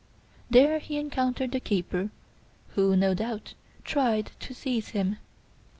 There he encountered the keeper who, no doubt, tried to seize him.